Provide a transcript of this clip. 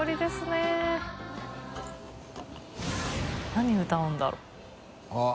何歌うんだろう？あっ。